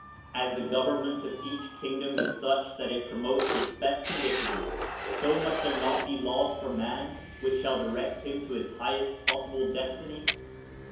As the government of each king dom Is such that It promotes its best condition, so must there not be laws for man, which shall direct him to his highest possible destiny?